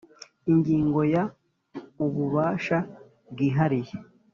Ingingo ya Ububasha bwihariye